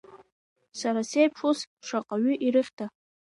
Сара сеиԥш ус шаҟаҩы ирыхьда.